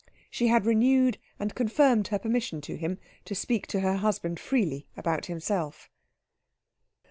She had renewed and confirmed her permission to him to speak to her husband freely about himself.